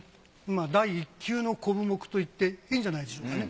第一級の瘤杢と言っていいんじゃないでしょうかね。